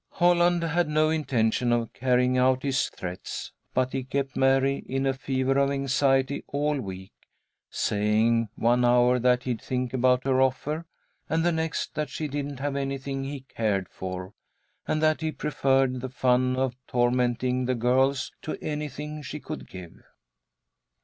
Holland had no intention of carrying out his threats, but he kept Mary in a fever of anxiety all week, saying one hour that he'd think about her offer, and the next that she didn't have anything he cared for, and that he preferred the fun of tormenting the girls to anything she could give.